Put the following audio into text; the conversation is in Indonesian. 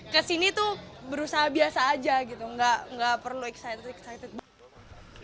kesini tuh berusaha biasa aja gitu nggak perlu excited excited